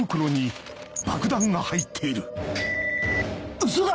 ウソだろ！